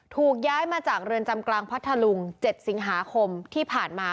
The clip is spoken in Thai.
ถูกย้ายมาจากเรือนจำกลางพัทธลุง๗สิงหาคมที่ผ่านมา